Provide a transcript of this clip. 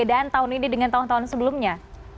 perbedaan tahun ini dengan tahun tahun sebelumnya